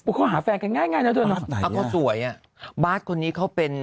โป๊บเขาหาแฟนกันง่ายแล้วตัวเนอะอะก็สวยอะบาสคนนี้เขาเป็น